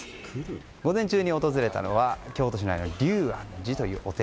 午前中に訪れたのは京都市内の龍岸寺というお寺。